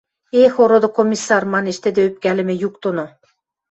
— Эх, ороды комиссар! — манеш тӹдӹ ӧпкӓлӹмӹ юк доно.